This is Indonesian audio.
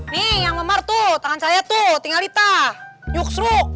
nih yang lemar tuh tangan saya tuh tinggal hitah nyuk sruk